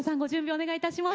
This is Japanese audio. お願いいたします。